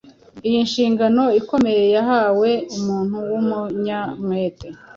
Iyi nshingano ikomeye yahawe umuntu w’umunyamwete